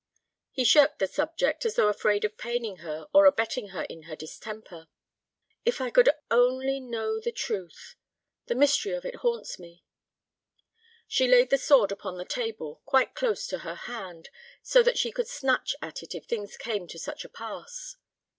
He shirked the subject, as though afraid of paining her or abetting her in her distemper. "If I could only know the truth! The mystery of it haunts me." She laid the sword upon the table, quite close to her hand, so that she could snatch at it if things came to such a pass.